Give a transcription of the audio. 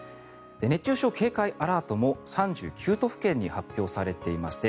熱中症警戒アラートも３９都府県に発表されていまして